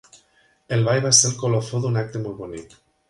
El ball va ser el colofó d'un acte molt bonic.